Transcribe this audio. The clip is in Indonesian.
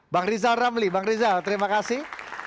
bang rizal ramli bang rizal terima kasih